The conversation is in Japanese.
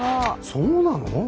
そうなの？